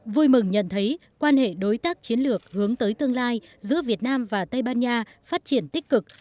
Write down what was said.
vui mừng nhận thấy quan hệ đối tác chiến lược hướng tới tương lai giữa việt nam và tây ban nha phát triển tích cực